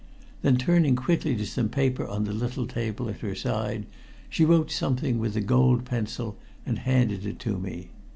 Then turning quickly to some paper on the little table at her side she wrote something with a gold pencil and handed to me.